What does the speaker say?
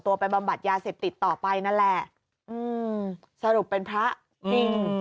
ตัวไปบำบัดยาเศรษฐติดต่อไปนั่นแหละอืมสรุปเป็นพระอืม